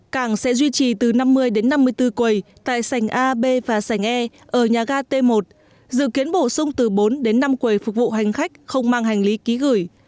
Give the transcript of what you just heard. cảng sẽ duy trì từ năm mươi đến năm mươi bốn quầy tại sành a b và sành e ở nhà ga t một dự kiến bổ sung từ bốn đến năm quầy phục vụ hành khách không mang hành lý ký gửi